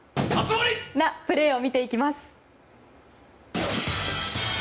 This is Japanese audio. なプレーを見ていきます。